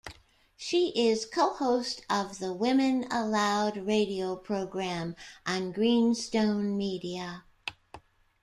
She is co-host of the "Women Aloud" radio program on Greenstone Media.